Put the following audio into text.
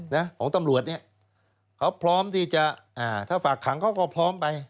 ของตำรวจเขาพร้อมที่จะถ้าฝากขังเขาก็พร้อมไป